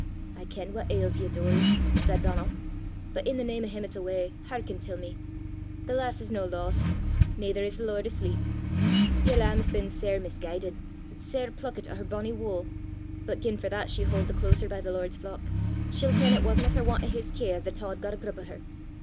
"I ken what ails ye, Doory," said Donal; "but i' the name o' him 'at's awa', hearken til me. The lass is no lost, naither is the Lord asleep. Yer lamb's been sair misguidit, sair pluckit o' her bonnie woo', but gien for that she haud the closer by the Lord's flock, she'll ken it wasna for want o' his care the tod got a grup o' her.